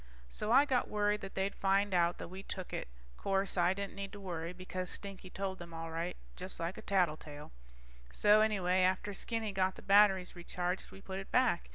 So I got worried that they'd find out that we took it. Course, I didn't need to worry, because Stinky told them all right, just like a tattletale. So anyway, after Skinny got the batteries recharged, we put it back.